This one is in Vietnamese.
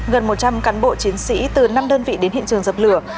gần một trăm linh cán bộ chiến sĩ từ năm đơn vị đến hiện trường dập lửa